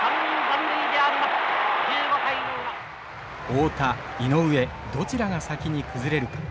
太田井上どちらが先に崩れるか。